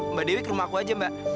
mbak dewi ke rumahku aja mbak